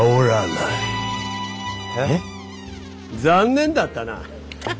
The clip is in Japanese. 残念だったな。